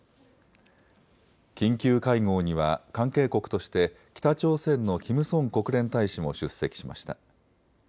緊急会合には関係国として北朝鮮のキム・ソン国連大使も出席しました。